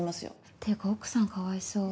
っていうか奥さんかわいそう。